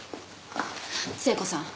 聖子さん。